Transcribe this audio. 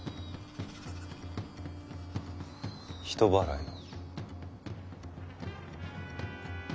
人払いを。